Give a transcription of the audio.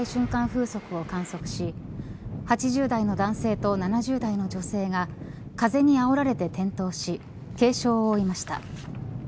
風速を観測し８０代の男性と７０代の女性が風にあおられて転倒し軽傷を負いました。